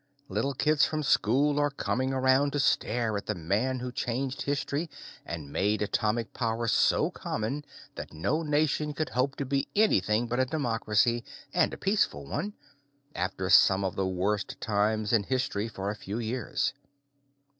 Little kids from school are coming around to stare at the man who changed history and made atomic power so common that no nation could hope to be anything but a democracy and a peaceful one after some of the worst times in history for a few years.